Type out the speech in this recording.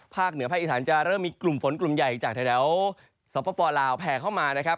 เหนือภาคอีสานจะเริ่มมีกลุ่มฝนกลุ่มใหญ่จากแถวสปลาวแผ่เข้ามานะครับ